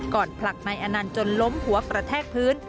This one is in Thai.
ก่อนผลักณอนันท์จนล้มหัวประแทกพื้น